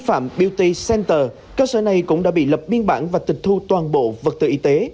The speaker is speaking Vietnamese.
ni phạm beauty center cơ sở này cũng đã bị lập biên bản và tịch thu toàn bộ vật tự y tế